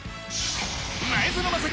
前園真聖